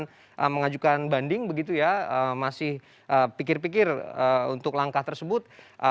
mas agus akan mengajukan banding begitu ya masih pikir pikir untuk langkah tersebut